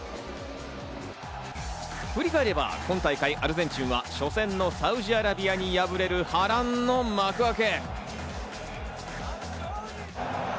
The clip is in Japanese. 振り返れば今大会、アルゼンチンは初戦のサウジアラビアに敗れる波乱の幕開け。